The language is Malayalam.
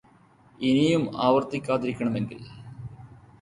ഇനിയും ആവര്ത്തിക്കാതിരിക്കണമെങ്കില്